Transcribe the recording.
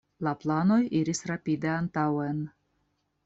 La planoj iris rapide antaŭen.